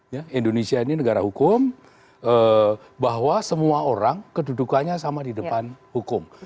ya indonesia ini negara hukum bahwa semua orang kedudukannya sama di depan hukum